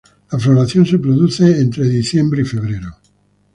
La floración se produce en diciembre–febrero.